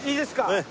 ええ。